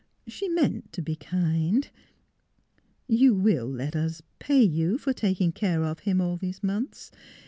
She meant to be kind. ... You will let us — pay you for taking care of him all these months?